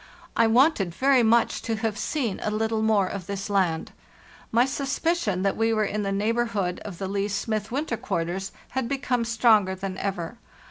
I wanted very much to have seen a little more of this land. My suspicion that we were in the neigh borhood of the Leigh Smith winter quarters had become stronger than ever.